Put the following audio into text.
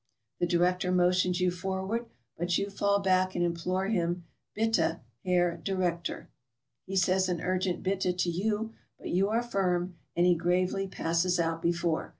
The director motions you forward, but you fall back and implore him, 'Bitte, Herr Directeur.' He says an urgent 'Bitte' to you; but you are firm, and he gravely passes out before.